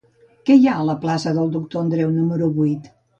Què hi ha a la plaça del Doctor Andreu número vuit?